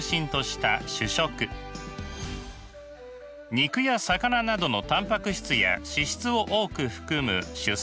肉や魚などのタンパク質や脂質を多く含む主菜。